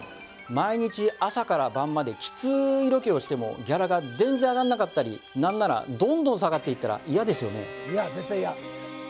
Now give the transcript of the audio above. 毎日朝から晩まできついロケをしてもギャラが全然上がんなかったり何ならどんどん下がっていったらイヤですよね